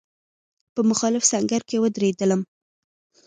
په مخالف سنګر کې ودرېدلم.